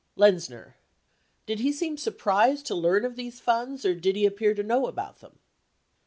Lenzner. Did he seem surprised to learn of these funds or did he appear to know about them